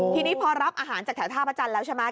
ทีนี้พอรับอาหารจากแถวท่าพระจันทร์แล้วใช่ไหม